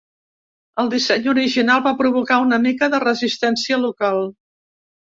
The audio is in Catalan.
El disseny original va provocar una mica de resistència local.